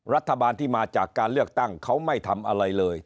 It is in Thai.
รัฐบาลที่มาจากการเลือกตั้งเขาไม่ทำอะไรเลย